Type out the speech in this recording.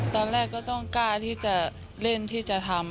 ตอนแรกก็ต้องกล้าที่จะเล่นที่จะทำ